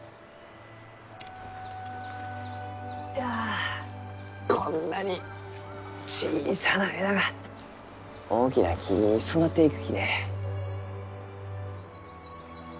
いやこんなに小さな枝が大きな木に育っていくきね。